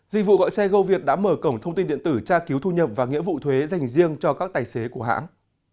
dịch vụ gọi xe goviet đã mở cổng thông tin điện tử tra cứu thu nhập và nghĩa vụ thuế dành riêng cho các tài xế của hãng